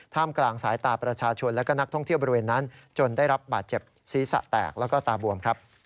กลางสายตาประชาชนและก็นักท่องเที่ยวบริเวณนั้นจนได้รับบาดเจ็บศีรษะแตกแล้วก็ตาบวมครับ